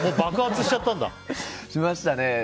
しましたね。